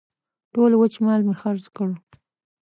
ټول وچ مال مې خرڅ کړ.